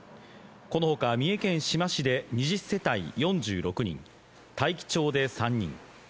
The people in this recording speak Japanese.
このほか三重県志摩市で２０世帯、４６人、大樹町で３人。